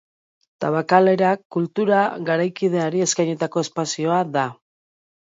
Tabakalera kultura garaikideari eskainitako espazioa da.